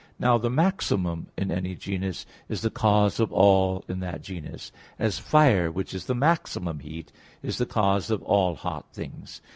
Now the maximum in any genus is the cause of all in that genus; as fire, which is the maximum heat, is the cause of all hot things.